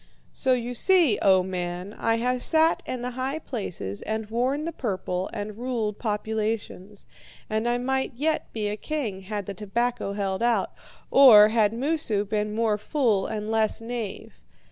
"So you see, O man, I have sat in the high places, and worn the purple, and ruled populations. And I might yet be a king had the tobacco held out, or had Moosu been more fool and less knave.